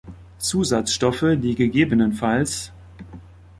Zusatzstoffe, die ggf.